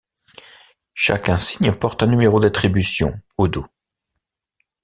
Chaque insigne porte un numéro d’attribution au dos.